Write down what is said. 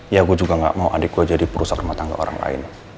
ya gue juga gak mau adik gue jadi perusahaan rumah tangga orang lain